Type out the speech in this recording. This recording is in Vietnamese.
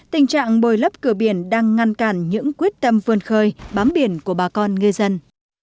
tình trạng bồi lấp cửa biển đang ngăn cản những quyết tâm vươn khơi bám biển của bà con ngư dân